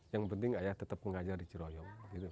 yang penting ayah tetap mengajar di ciroyok